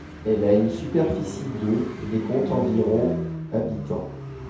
Elle a une superficie de et compte environ habitants.